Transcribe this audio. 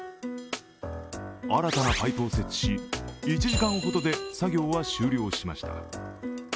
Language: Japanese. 新たなパイプを設置し、１時間ほどで作業は終了しました。